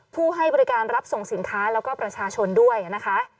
ผู้ให้บริการรับส่งสินค้าแล้วก็ประชาชนด้วยนะคะ